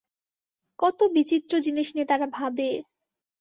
কত বিচিত্র জিনিস নিয়ে তারা ভাবে।